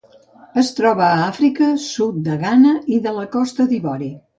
Es troba a Àfrica: sud de Ghana i de la Costa d'Ivori.